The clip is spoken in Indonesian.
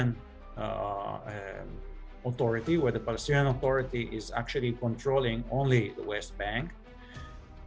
pemerintah palestina sebenarnya mengontrol hanya bank barat